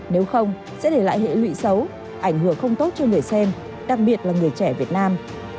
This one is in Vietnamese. nếu không sẽ để lại hệ lụy xấu ảnh hưởng không tốt cho người xem đặc biệt là người trẻ việt nam